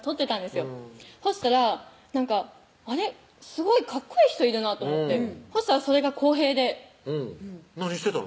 よそしたらなんかあれっすごいかっこいい人いるなと思ってそしたらそれが晃平で何してたの？